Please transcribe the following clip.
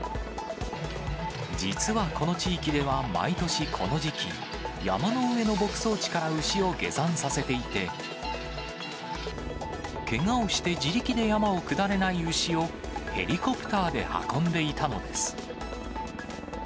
実はこの地域では、毎年この時期、山の上の牧草地から牛を下山させていて、けがをして自力で山を下れない牛を、ヘリコプターで運んでいたのです。